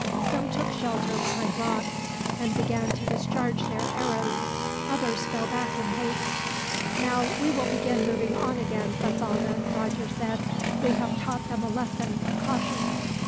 Some took shelter behind rocks, and began to discharge their arrows. Others fell back in haste. "Now we will be moving on again, Bathalda," Roger said. "We have taught them a lesson of caution."